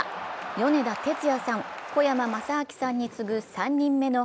米田哲也さん、小山正明さんに次ぐ３人目の